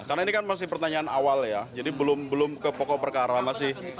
karena ini kan masih pertanyaan awal ya jadi belum ke pokok perkara